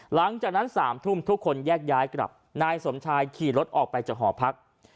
หลังจากนั้น๓ทุ่มทุกคนแยกย้ายกลับนายสมชายขี่รถออกไปจากหอพัก